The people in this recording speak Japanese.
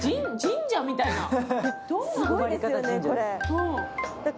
神社みたいな？